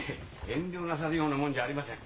遠慮なさるような物じゃありません。